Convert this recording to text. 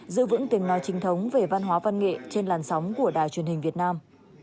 giữ vững tiếng nói trình thống về văn hóa văn nghệ trên làn sóng của đài truyền hình việt nam